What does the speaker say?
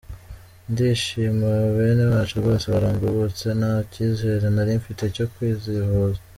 Ndashima aba bene wacu rwose barangobotse, nta cyizere nari mfite cyo kuzivuza.